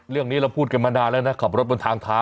เรื่องนี้เราพูดกันมานานแล้วนะขับรถบนทางเท้า